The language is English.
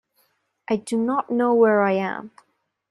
I do not know where I am.